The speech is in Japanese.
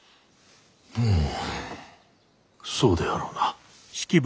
うむそうであろうな。